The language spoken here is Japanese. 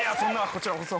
こちらこそ。